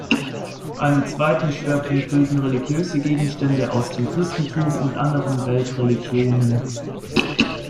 Einen zweiten Schwerpunkt bilden religiöse Gegenstände aus dem Christentum und anderen Weltreligionen.